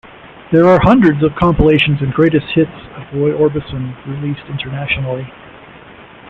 There are hundreds of compilations and greatest hits of Roy Orbison released internationally.